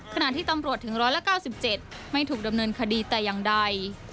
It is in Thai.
ขณะที่ตำรวจถึง๑๙๗ไม่ถูกดำเนินคดีแต่อย่างใด